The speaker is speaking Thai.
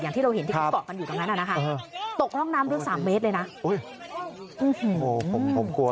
อย่างที่เราเห็นตรงที่บอกกันอยู่ตรงนั้นอะนะคะ